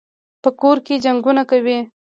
په کور کي جنګونه کوي.